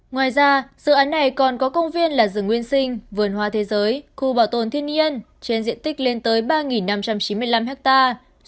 ngoài ra dự án này còn có công viên là rừng nguyên sinh vườn hoa thế giới khu bảo tồn thiên nhiên trên diện tích lên tới ba năm trăm chín mươi năm hectare